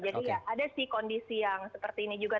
jadi ya ada sih kondisi yang seperti ini juga